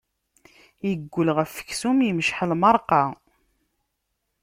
Iggul ɣef uksum, imceḥ lmeṛqa.